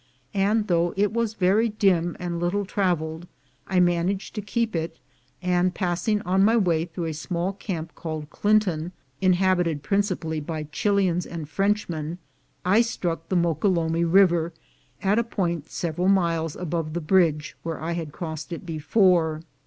and though it was very dim and little traveled, I managed to keep it: and passing on my way through a small camp called Clinton, inhabited principally by Chilians and Frenchmen, I struck the Moquelumne River at a point several miles above the bridge where I had crossed it before.